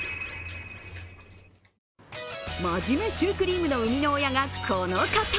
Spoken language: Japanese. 真面目シュークリームの生みの親がこの方。